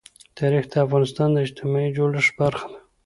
تاریخ د افغانستان د اجتماعي جوړښت برخه ده.